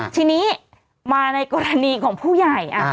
ทีนี้มาในกรณีของผู้ใหญ่